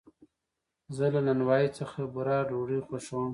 زه له نانوایي څخه بوره ډوډۍ خوښوم.